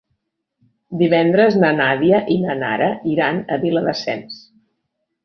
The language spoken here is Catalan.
Divendres na Nàdia i na Nara iran a Viladasens.